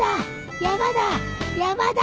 山だ！